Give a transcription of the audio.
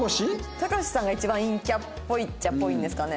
たかしさんが一番陰キャっぽいっちゃあっぽいんですかね。